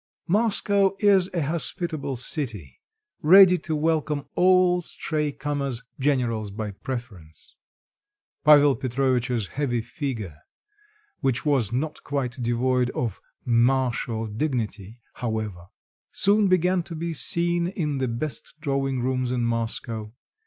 Moscow is a hospitable city, ready to welcome all stray comers, generals by preference. Pavel Petrovitch's heavy figure, which was not quite devoid of martial dignity, however, soon began to be seen in the best drawing rooms in Moscow.